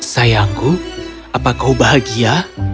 sayangku apakah kau bahagia